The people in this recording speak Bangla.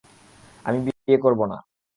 আমি বিয়ে করব না।